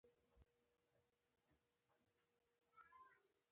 بلکې پتېيلې يې وه چې له ايډېسن سره به ګوري.